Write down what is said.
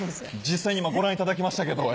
実際にご覧いただきましたけど。